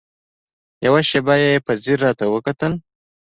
يوه شېبه يې په ځير راته وکتل.